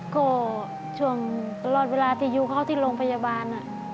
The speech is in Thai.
ก็ช่วงตลอดเวลาที่อยู่เขาที่โรงพยาบาล